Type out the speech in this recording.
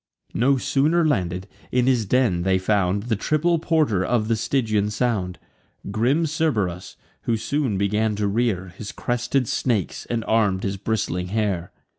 No sooner landed, in his den they found The triple porter of the Stygian sound, Grim Cerberus, who soon began to rear His crested snakes, and arm'd his bristling hair.